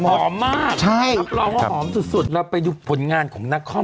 หอมมากใช่รับรองว่าหอมสุดสุดเราไปดูผลงานของนักคอม